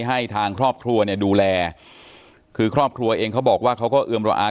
ให้ทางครอบครัวเนี่ยดูแลคือครอบครัวเองเขาบอกว่าเขาก็เอือมระอา